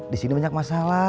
di sini banyak masalah